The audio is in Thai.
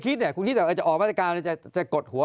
กูไม่เคยคิดอยากจะออกมาตรการที่จะกดหัวไหม